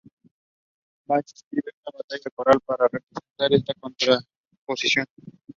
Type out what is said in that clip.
Burn was born in Oxford.